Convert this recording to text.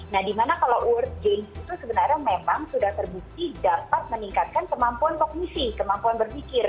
nah dimana kalau world games itu sebenarnya memang sudah terbukti dapat meningkatkan kemampuan kognisi kemampuan berpikir